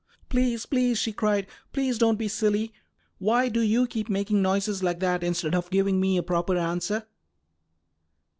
Gray_] "Please, please," she cried, "please don't be silly. Why do you keep making noises like that instead of giving me a proper answer?"